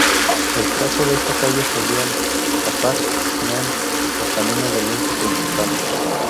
El trazado de esta calle seguía al Cápac Ñan o camino del inca principal.